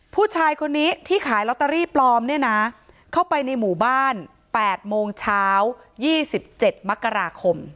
ผู้ชายคนนี้ที่ขายลอตเตอรี่ปลอมเนี่ยนะเข้าไปในหมู่บ้าน๘โมงเช้า๒๗มกราคม